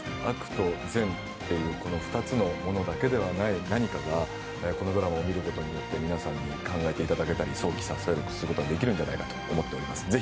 悪と善というこの２つのものだけではない何かがこのドラマを見ることによって皆さんに考えていただいたり、想起させることができるんじゃないかと思っています。